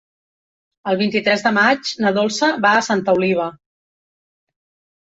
El vint-i-tres de maig na Dolça va a Santa Oliva.